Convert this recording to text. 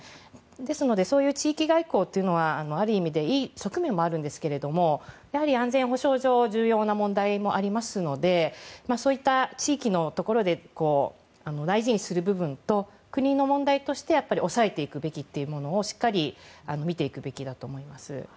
ですので、地域外交というのはある意味、いい側面もあるんですがやはり安全保障上重要な問題もありますのでそういった地域のところで大事にする部分と国の問題として押さえていくべきというものをしっかり見ていくべきだと思います。